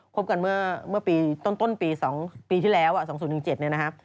บกันเมื่อปีต้นปี๒ปีที่แล้ว๒๐๑๗เนี่ยนะครับ